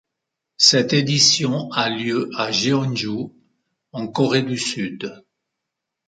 Cette édition a lieu à Jeonju, en Corée du Sud.